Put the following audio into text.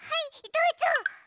どうぞ！